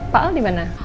pak alnya di mana